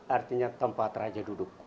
artinya tempat raja duduk